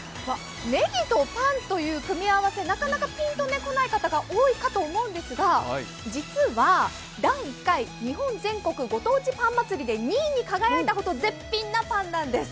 ねぎとパンという組み合わせ、なかなかピンと来ない方が多いと思うんですが実は第１回日本全国ご当地パン祭りで２位に輝いたほど絶品なパンなんです。